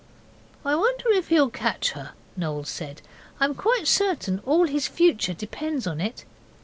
'I wonder if he'll catch her,' Noel said. 'I'm quite certain all his future depends on it.